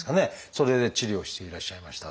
それで治療していらっしゃいましたが。